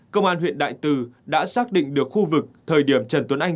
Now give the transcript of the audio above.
công an huyện đại từ đã xác định được khu vực thời điểm trần tuấn anh